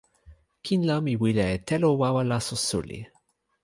kin la mi wile e telo wawa laso suli.